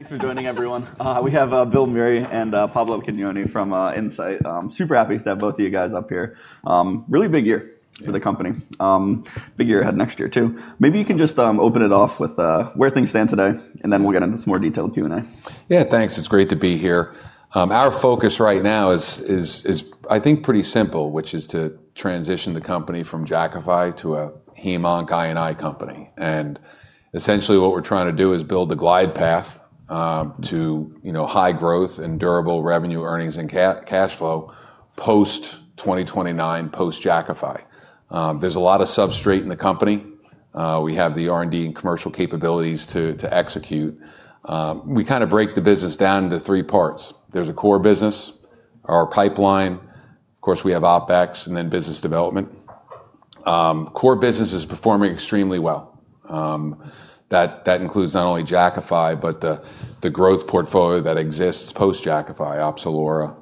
Thanks for joining, everyone. We have Bill Meury and Pablo Cagnoni from Incyte. Super happy to have both of you guys up here. Really big year for the company. Big year ahead next year, too. Maybe you can just kick it off with where things stand today, and then we'll get into some more detailed Q&A. Yeah, thanks. It's great to be here. Our focus right now is, I think, pretty simple, which is to transition the company from Jakafi to a Heme-Onc, I&I company. And essentially, what we're trying to do is build the glide path to high growth and durable revenue, earnings, and cash flow post 2029, post Jakafi. There's a lot of substrate in the company. We have the R&D and commercial capabilities to execute. We kind of break the business down into three parts. There's a core business, our pipeline. Of course, we have OpEx and then business development. Core business is performing extremely well. That includes not only Jakafi, but the growth portfolio that exists post Jakafi: Opzelura,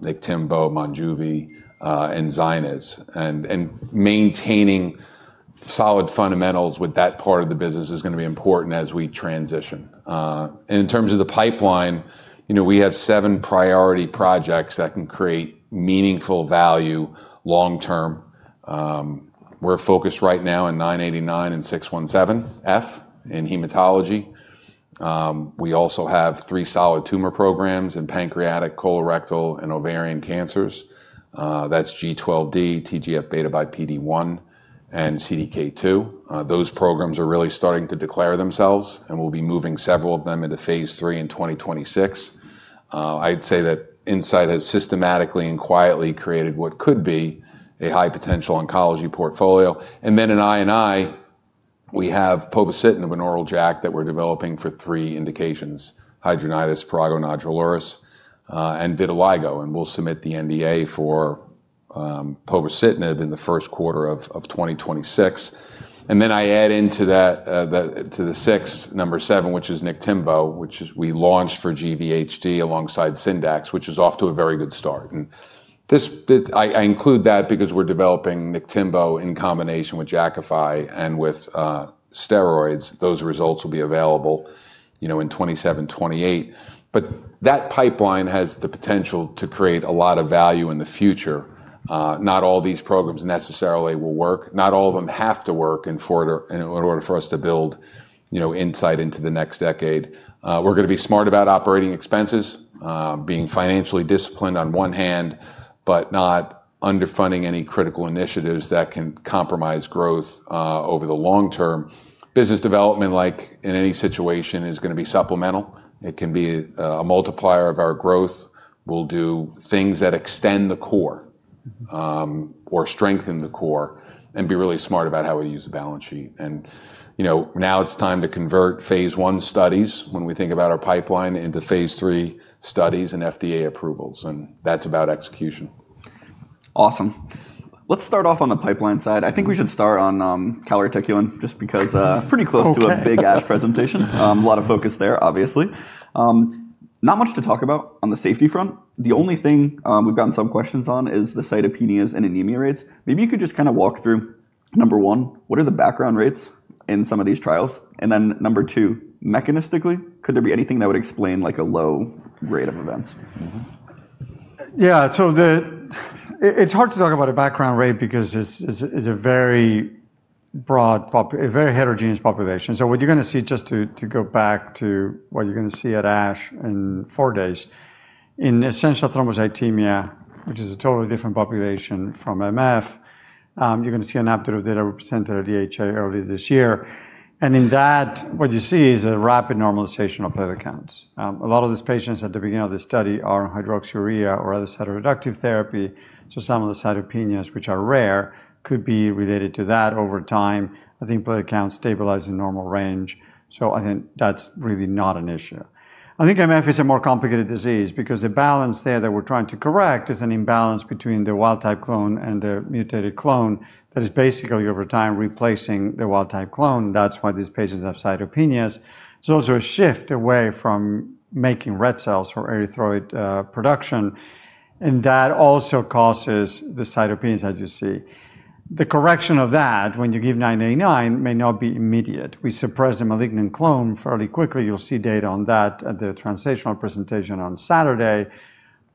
Niktimvo, Monjuvi, and Zynyz. And maintaining solid fundamentals with that part of the business is going to be important as we transition. In terms of the pipeline, we have seven priority projects that can create meaningful value long term. We're focused right now in 989 and V617F in hematology. We also have three solid tumor programs in pancreatic, colorectal, and ovarian cancers. That's G12D, TGF-beta/PD-1, and CDK2. Those programs are really starting to declare themselves, and we'll be moving several of them into phase three in 2026. I'd say that Incyte has systematically and quietly created what could be a high potential oncology portfolio. Then in I&I, we have povorcitinib, an oral JAK that we're developing for three indications: hidradenitis, prurigo nodularis, and vitiligo. We'll submit the NDA for povorcitinib in the first quarter of 2026. Then I add into that to the six, number seven, which is Niktimvo, which we launched for GVHD alongside Syndax, which is off to a very good start. I include that because we're developing Niktimvo in combination with Jakafi and with steroids. Those results will be available in 2027, 2028. But that pipeline has the potential to create a lot of value in the future. Not all these programs necessarily will work. Not all of them have to work in order for us to build Incyte into the next decade. We're going to be smart about operating expenses, being financially disciplined on one hand, but not underfunding any critical initiatives that can compromise growth over the long term. Business development, like in any situation, is going to be supplemental. It can be a multiplier of our growth. We'll do things that extend the core or strengthen the core and be really smart about how we use the balance sheet. And now it's time to convert phase one studies when we think about our pipeline into phase three studies and FDA approvals. And that's about execution. Awesome. Let's start off on the pipeline side. I think we should start on calreticulin just because pretty close to a big-ass presentation. A lot of focus there, obviously. Not much to talk about on the safety front. The only thing we've gotten some questions on is the cytopenias and anemia rates. Maybe you could just kind of walk through, number one, what are the background rates in some of these trials? And then number two, mechanistically, could there be anything that would explain a low rate of events? Yeah, so it's hard to talk about a background rate because it's a very broad, very heterogeneous population. So what you're going to see, just to go back to what you're going to see at ASH in four days, in essential thrombocythemia, which is a totally different population from MF, you're going to see an update of data represented at EHA early this year. And in that, what you see is a rapid normalization of platelet counts. A lot of these patients at the beginning of the study are on hydroxyurea or other cytoreductive therapy. So some of the cytopenias, which are rare, could be related to that over time. I think platelet counts stabilize in normal range. So I think that's really not an issue. I think MF is a more complicated disease because the balance there that we're trying to correct is an imbalance between the wild-type clone and the mutated clone that is basically, over time, replacing the wild-type clone. That's why these patients have cytopenias. There's also a shift away from making red cells for erythroid production, and that also causes the cytopenias that you see. The correction of that, when you give 989, may not be immediate. We suppress the malignant clone fairly quickly. You'll see data on that at the translational presentation on Saturday,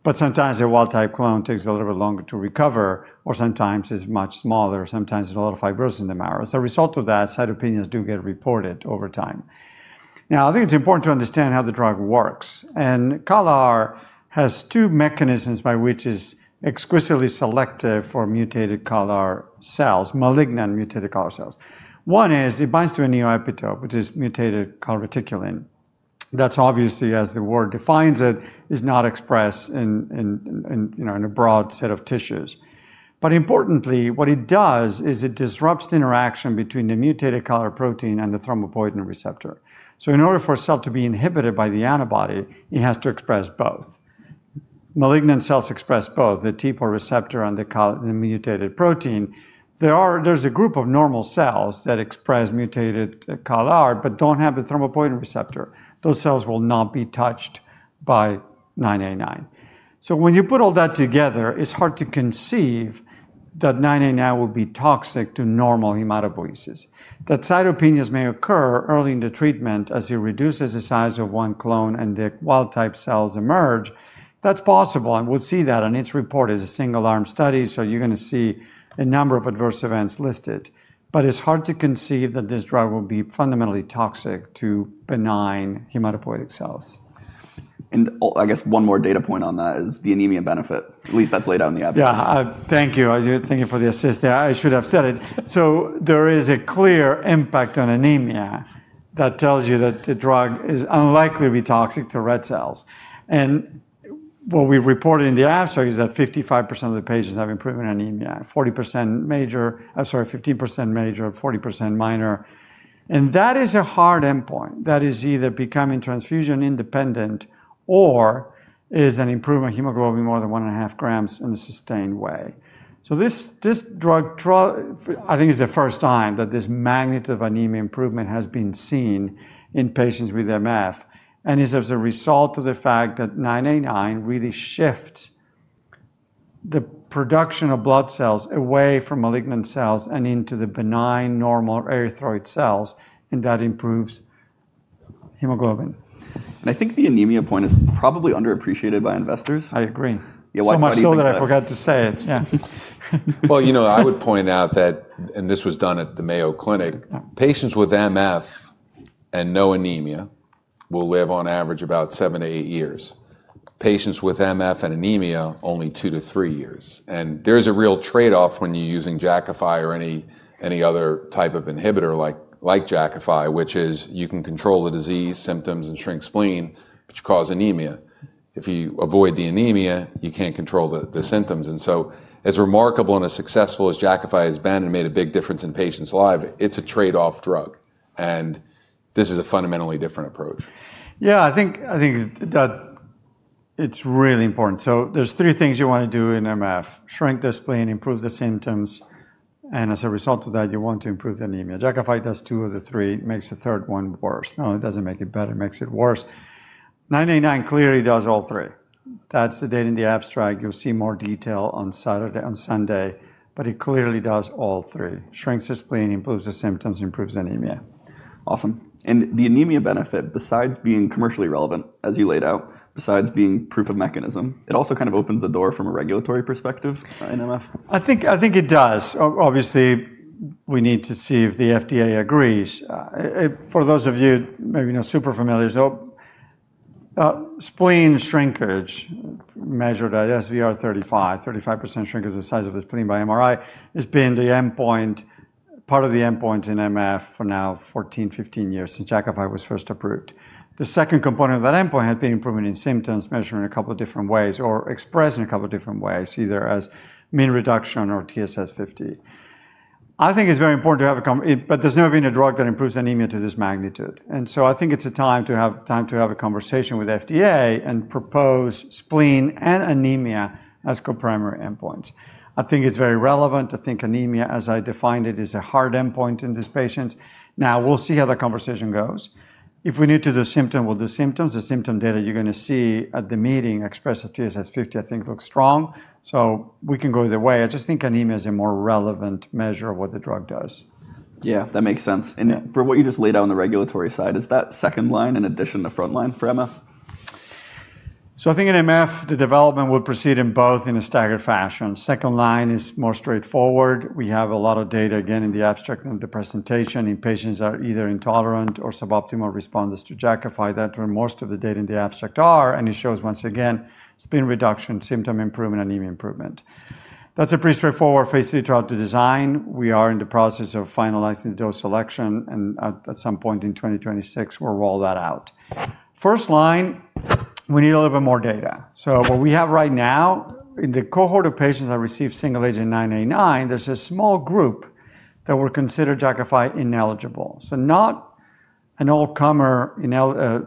but sometimes the wild-type clone takes a little bit longer to recover, or sometimes it's much smaller. Sometimes there's a lot of fibrosis in the marrow. As a result of that, cytopenias do get reported over time. Now, I think it's important to understand how the drug works. CALR has two mechanisms by which it's exquisitely selective for mutated CALR cells, malignant mutated CALR cells. One is it binds to a neoepitope, which is mutated calreticulin. That's obviously, as the word defines it, is not expressed in a broad set of tissues. But importantly, what it does is it disrupts the interaction between the mutated CALR protein and the thrombopoietin receptor. So in order for a cell to be inhibited by the antibody, it has to express both. Malignant cells express both the TPOR receptor and the mutated protein. There's a group of normal cells that express mutated CALR but don't have the thrombopoietin receptor. Those cells will not be touched by 989. So when you put all that together, it's hard to conceive that 989 will be toxic to normal hematopoiesis. That cytopenias may occur early in the treatment as it reduces the size of one clone and the wild-type cells emerge. That's possible, and we'll see that, and it's reported as a single-arm study, so you're going to see a number of adverse events listed, but it's hard to conceive that this drug will be fundamentally toxic to benign hematopoietic cells. I guess one more data point on that is the anemia benefit. At least that's laid out in the abstract. Yeah, thank you. Thank you for the assist there. I should have said it. So there is a clear impact on anemia that tells you that the drug is unlikely to be toxic to red cells. And what we reported in the abstract is that 55% of the patients have improvement in anemia, 40% major, sorry, 15% major, 40% minor. And that is a hard endpoint. That is either becoming transfusion independent or is an improvement in hemoglobin more than 1.5 grams in a sustained way. So this drug, I think, is the first time that this magnitude of anemia improvement has been seen in patients with MF. And it's as a result of the fact that 989 really shifts the production of blood cells away from malignant cells and into the benign normal erythroid cells. And that improves hemoglobin. I think the anemia point is probably underappreciated by investors. I agree. Yeah, why so much? So much so that I forgot to say it. Yeah. Well, you know I would point out that, and this was done at the Mayo Clinic, patients with MF and no anemia will live on average about seven to eight years. Patients with MF and anemia, only two to three years. And there's a real trade-off when you're using Jakafi or any other type of inhibitor like Jakafi, which is you can control the disease, symptoms, and shrink spleen, which cause anemia. If you avoid the anemia, you can't control the symptoms. And so as remarkable and as successful as Jakafi has been and made a big difference in patients' lives, it's a trade-off drug. And this is a fundamentally different approach. Yeah, I think that it's really important. So there's three things you want to do in MF: shrink the spleen, improve the symptoms. And as a result of that, you want to improve the anemia. Jakafi does two of the three. It makes the third one worse. No, it doesn't make it better. It makes it worse. 989 clearly does all three. That's the data in the abstract. You'll see more detail on Saturday and Sunday. But it clearly does all three: shrinks the spleen, improves the symptoms, improves anemia. Awesome. And the anemia benefit, besides being commercially relevant, as you laid out, besides being proof of mechanism, it also kind of opens the door from a regulatory perspective in MF? I think it does. Obviously, we need to see if the FDA agrees. For those of you maybe not super familiar, spleen shrinkage measured at SVR35, 35% shrinkage of the size of the spleen by MRI has been the endpoint, part of the endpoint in MF for now 14, 15 years since Jakafi was first approved. The second component of that endpoint has been improvement in symptoms measured in a couple of different ways or expressed in a couple of different ways, either as mean reduction or TSS50. I think it's very important to have a, but there's never been a drug that improves anemia to this magnitude. And so I think it's time to have a conversation with FDA and propose spleen and anemia as co-primary endpoints. I think it's very relevant. I think anemia, as I defined it, is a hard endpoint in these patients. Now, we'll see how the conversation goes. If we need to do symptom, we'll do symptoms. The symptom data you're going to see at the meeting expressed as TSS 50, I think, looks strong, so we can go either way. I just think anemia is a more relevant measure of what the drug does. Yeah, that makes sense. And for what you just laid out on the regulatory side, is that second line in addition to front line for MF? So I think in MF, the development will proceed in both a staggered fashion. Second line is more straightforward. We have a lot of data, again, in the abstract and the presentation. And patients are either intolerant or suboptimal responders to Jakafi. That's where most of the data in the abstract are. And it shows, once again, spleen reduction, symptom improvement, anemia improvement. That's a pretty straightforward phase three trial to design. We are in the process of finalizing the dose selection. And at some point in 2026, we'll roll that out. First line, we need a little bit more data. So what we have right now, in the cohort of patients that receive single agent 989, there's a small group that will consider Jakafi ineligible. So not an all-comer,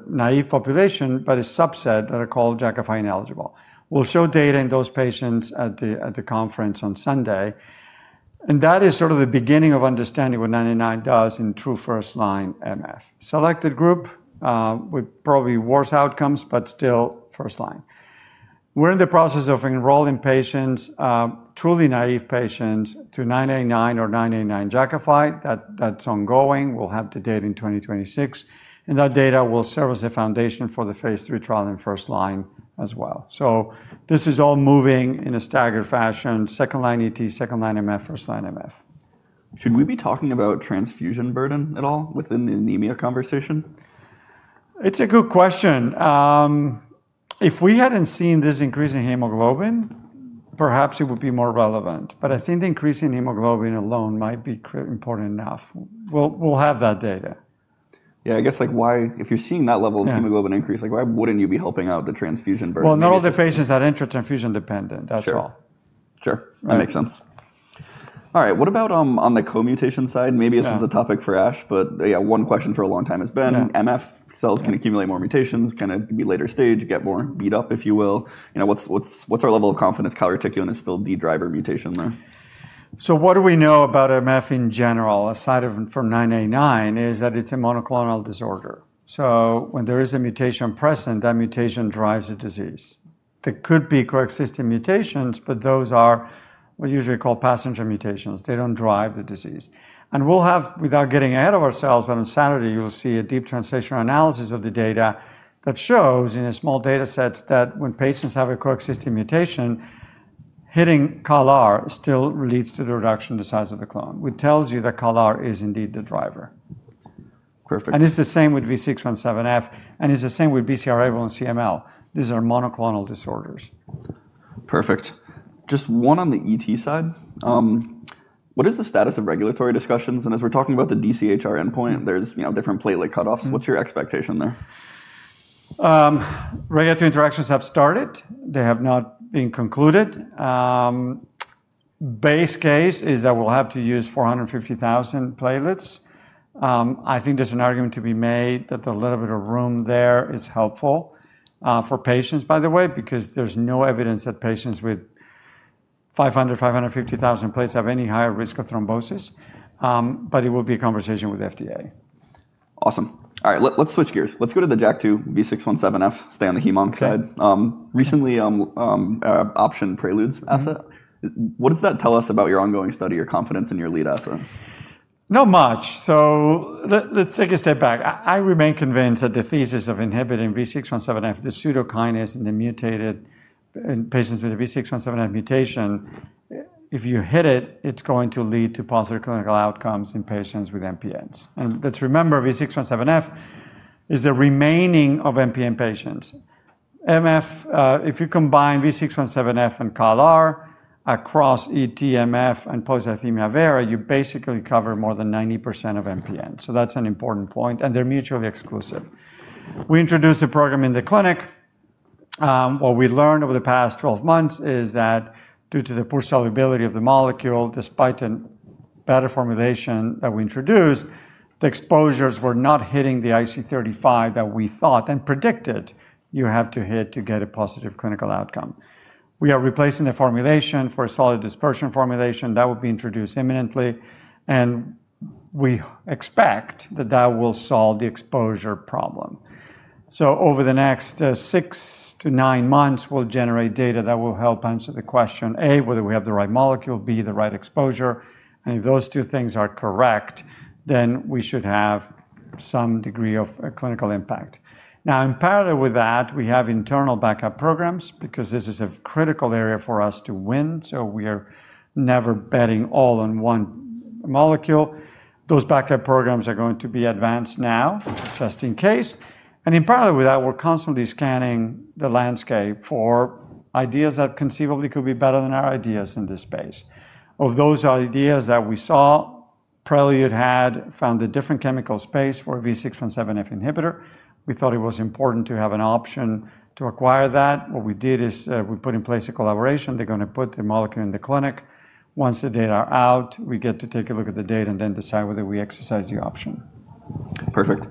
naive population, but a subset that are called Jakafi ineligible. We'll show data in those patients at the conference on Sunday, and that is sort of the beginning of understanding what 989 does in true first line MF, selected group with probably worse outcomes, but still first line. We're in the process of enrolling patients, truly naive patients, to 989 or 989 Jakafi. That's ongoing. We'll have the data in 2026, and that data will serve as a foundation for the phase three trial in first line as well, so this is all moving in a staggered fashion: second line ET, second line MF, first line MF. Should we be talking about transfusion burden at all within the anemia conversation? It's a good question. If we hadn't seen this increase in hemoglobin, perhaps it would be more relevant. But I think the increase in hemoglobin alone might be important enough. We'll have that data. Yeah, I guess if you're seeing that level of hemoglobin increase, why wouldn't you be helping out the transfusion burden? Not all the patients that enter transfusion dependent. That's all. Sure. Sure. That makes sense. All right. What about on the co-mutation side? Maybe this is a topic for ASH, but yeah, one question for a long time has been, MF cells can accumulate more mutations. Can it be later stage, get more beat up, if you will? What's our level of confidence calreticulin is still the driver mutation there? So what do we know about MF in general, aside from 989, is that it's a monoclonal disorder. So when there is a mutation present, that mutation drives the disease. There could be coexisting mutations, but those are what we usually call passenger mutations. They don't drive the disease. And we'll have, without getting ahead of ourselves, but on Saturday, you'll see a deep translational analysis of the data that shows in a small data set that when patients have a coexisting mutation, hitting CALR still leads to the reduction in the size of the clone, which tells you that CALR is indeed the driver. Perfect. It's the same with V617F. It's the same with BCR-ABL and CML. These are monoclonal disorders. Perfect. Just one on the ET side. What is the status of regulatory discussions? And as we're talking about the DCHR endpoint, there's different platelet cutoffs. What's your expectation there? Regulatory interactions have started. They have not been concluded. Base case is that we'll have to use 450,000 platelets. I think there's an argument to be made that a little bit of room there is helpful for patients, by the way, because there's no evidence that patients with 500,000, 550,000 platelets have any higher risk of thrombosis. But it will be a conversation with FDA. Awesome. All right. Let's switch gears. Let's go to the JAK2 V617F, stay on the heme-onc side. Recently, optioned Prelude's asset. What does that tell us about your ongoing study, your confidence in your lead asset? Not much. So let's take a step back. I remain convinced that the thesis of inhibiting V617F, the pseudokinase, and the mutated patients with the V617F mutation, if you hit it, it's going to lead to positive clinical outcomes in patients with MPNs. And let's remember, V617F is the remaining of MPN patients. MF, if you combine V617F and CALR across ET, MF, and polycythemia vera, you basically cover more than 90% of MPNs. So that's an important point. And they're mutually exclusive. We introduced the program in the clinic. What we learned over the past 12 months is that due to the poor solubility of the molecule, despite a better formulation that we introduced, the exposures were not hitting the IC35 that we thought and predicted you have to hit to get a positive clinical outcome. We are replacing the formulation for a solid dispersion formulation that will be introduced imminently, and we expect that that will solve the exposure problem, so over the next six to nine months, we'll generate data that will help answer the question, A, whether we have the right molecule, B, the right exposure. And if those two things are correct, then we should have some degree of clinical impact. Now, in parallel with that, we have internal backup programs because this is a critical area for us to win, so we are never betting all on one molecule. Those backup programs are going to be advanced now, just in case, and in parallel with that, we're constantly scanning the landscape for ideas that conceivably could be better than our ideas in this space. Of those ideas that we saw, Prelude had found a different chemical space for V617F inhibitor. We thought it was important to have an option to acquire that. What we did is we put in place a collaboration. They're going to put the molecule in the clinic. Once the data are out, we get to take a look at the data and then decide whether we exercise the option. Perfect.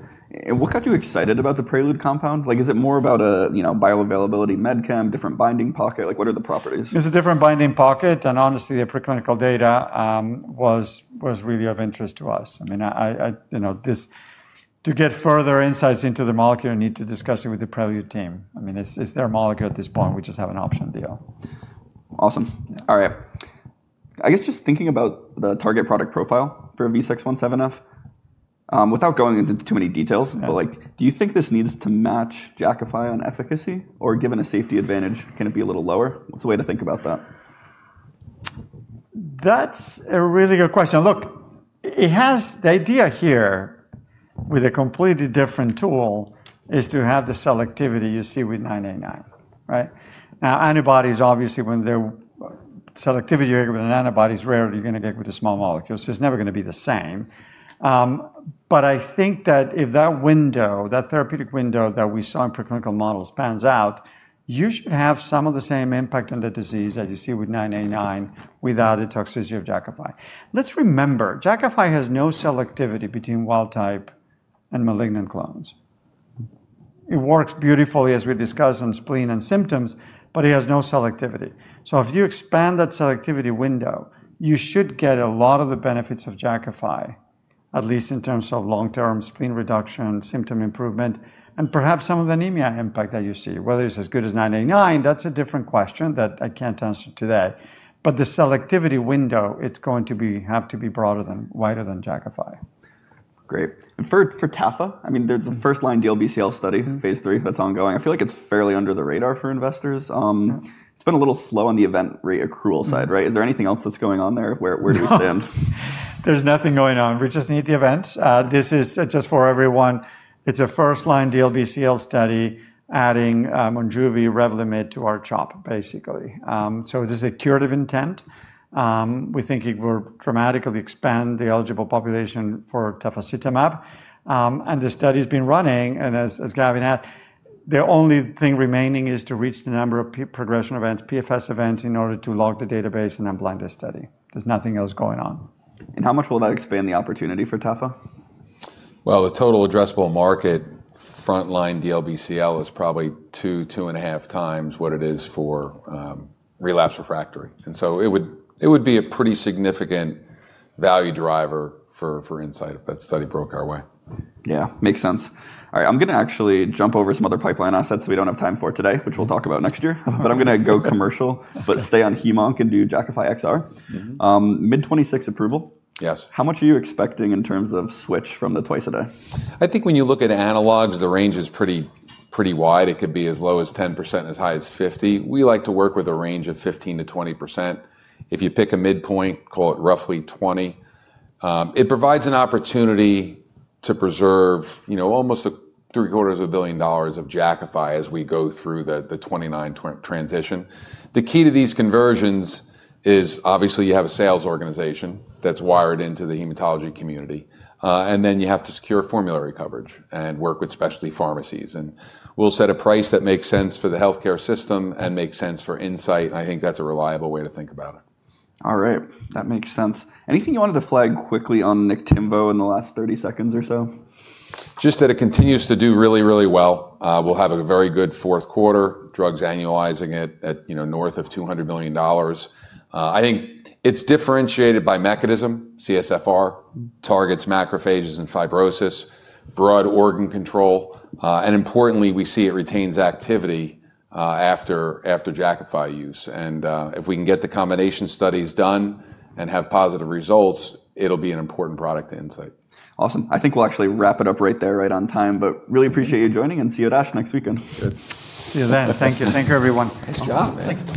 And what got you excited about the Prelude compound? Is it more about a bioavailability medchem, different binding pocket? What are the properties? It's a different binding pocket. Honestly, the preclinical data was really of interest to us. I mean, to get further insights into the molecule, you need to discuss it with the Prelude team. I mean, it's their molecule at this point. We just have an option deal. Awesome. All right. I guess just thinking about the target product profile for V617F, without going into too many details, but do you think this needs to match Jakafi on efficacy? Or given a safety advantage, can it be a little lower? What's a way to think about that? That's a really good question. Look, the idea here with a completely different tool is to have the selectivity you see with 989. Now, antibodies, obviously, when the selectivity you get with an antibody is rare, you're going to get with a small molecule. So it's never going to be the same. But I think that if that window, that therapeutic window that we saw in preclinical models pans out, you should have some of the same impact on the disease that you see with 989 without a toxicity of Jakafi. Let's remember, Jakafi has no selectivity between wild type and malignant clones. It works beautifully, as we discussed, on spleen and symptoms, but it has no selectivity. So if you expand that selectivity window, you should get a lot of the benefits of Jakafi, at least in terms of long-term spleen reduction, symptom improvement, and perhaps some of the anemia impact that you see. Whether it's as good as 989, that's a different question that I can't answer today. But the selectivity window, it's going to have to be wider than Jakafi. Great. And for TAFA, I mean, there's a first line DLBCL study, phase three, that's ongoing. I feel like it's fairly under the radar for investors. It's been a little slow on the event rate accrual side, right? Is there anything else that's going on there? Where do we stand? There's nothing going on. We just need the events. This is just for everyone. It's a first line DLBCL study adding Monjuvi Revlimid to our chop, basically. So this is a curative intent. We think it will dramatically expand the eligible population for Tafasitamab. And the study has been running. And as Gavin asked, the only thing remaining is to reach the number of progression events, PFS events, in order to lock the database and then blind the study. There's nothing else going on. How much will that expand the opportunity for TAFA? The total addressable market front line DLBCL is probably two, two and a half times what it is for relapse refractory. So it would be a pretty significant value driver for Incyte if that study broke our way. Yeah, makes sense. All right. I'm going to actually jump over some other pipeline assets we don't have time for today, which we'll talk about next year. But I'm going to go commercial, but stay on Heme-Onc and do Jakafi XR. Mid-2026 approval? Yes. How much are you expecting in terms of switch from the twice a day? I think when you look at analogs, the range is pretty wide. It could be as low as 10% and as high as 50%. We like to work with a range of 15%-20%. If you pick a midpoint, call it roughly 20%. It provides an opportunity to preserve almost $750 million of Jakafi as we go through the 2029 transition. The key to these conversions is, obviously, you have a sales organization that's wired into the hematology community. And then you have to secure formulary coverage and work with specialty pharmacies. And we'll set a price that makes sense for the healthcare system and makes sense for Incyte. And I think that's a reliable way to think about it. All right. That makes sense. Anything you wanted to flag quickly on Niktimvo in the last 30 seconds or so? Just that it continues to do really, really well. We'll have a very good fourth quarter, drugs annualizing it at north of $200 million. I think it's differentiated by mechanism, CSF-1R, targets macrophages and fibrosis, broad organ control. Importantly, we see it retains activity after Jakafi use. If we can get the combination studies done and have positive results, it'll be an important product to Incyte. Awesome. I think we'll actually wrap it up right there, right on time, but really appreciate you joining, and see you at ASH next weekend. See you then. Thank you. Thank you, everyone. Nice job.